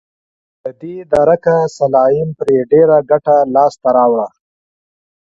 له دې درکه سلایم پرې ډېره ګټه لاسته راوړه.